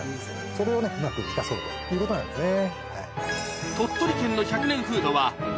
それをねうまく生かそうということなんですね。